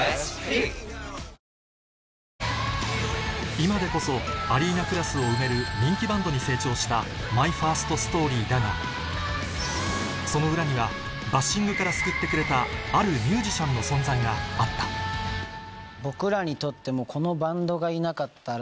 今でこそアリーナクラスを埋める人気バンドに成長したＭＹＦＩＲＳＴＳＴＯＲＹだがその裏にはバッシングから救ってくれたあるミュージシャンの存在があった僕らにとってもこのバンドがいなかったら。